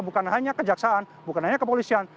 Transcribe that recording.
bukan hanya ke jaksaan bukan hanya ke polisian